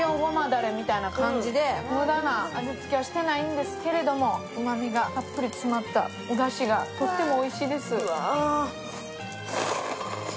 だれみたいな感じで無駄な味つけはしてないんですがうまみがたっぷり詰まったおだしがとってもおいしいです。